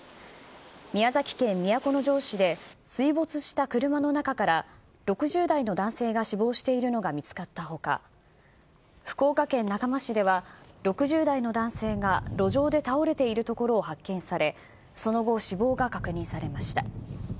宮崎県都城市で、水没した車の中から６０代の男性が死亡しているのが見つかったほか、福岡県中間市では６０代の男性が、路上で倒れているところを発見され、その後、死亡が確認されました。